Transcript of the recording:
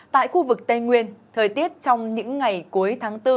tại khu vực tây nguyên thời tiết trong những ngày cuối tháng bốn